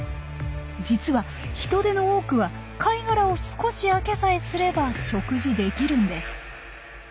実はヒトデの多くは貝殻を少し開けさえすれば食事できるんです。